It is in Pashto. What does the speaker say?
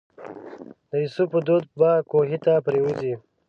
د یوسف په دود به کوهي ته پرېوځي.